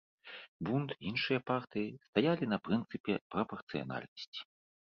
Бунд і іншыя партыі стаялі на прынцыпе прапарцыянальнасці.